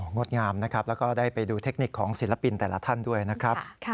งดงามนะครับแล้วก็ได้ไปดูเทคนิคของศิลปินแต่ละท่านด้วยนะครับ